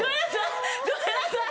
ごめんなさい！